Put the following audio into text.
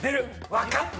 わかった！